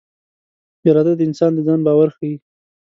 اراده د انسان د ځان باور ښيي.